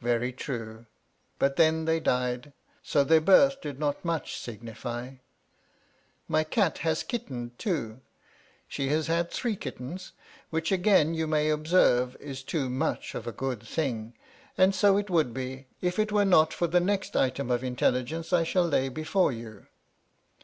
Very true : but then they * died ; so their birth did not much signify. My cat has * kittened, too ; she has had three kittens, which again ' you may observe is too much of a good thing ; and so ' it would be, if it were not for the next item of intel Migence I shall lay before you.